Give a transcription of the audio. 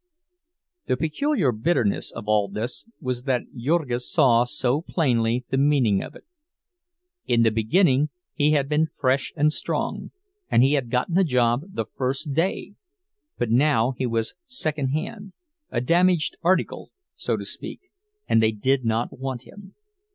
The peculiar bitterness of all this was that Jurgis saw so plainly the meaning of it. In the beginning he had been fresh and strong, and he had gotten a job the first day; but now he was second hand, a damaged article, so to speak, and they did not want him.